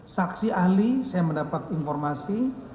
saksi ahli saya mendapat informasi